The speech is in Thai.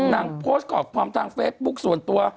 นางโพสต์ก่อท็อมทางเฟสบุ๊กส่วนตัว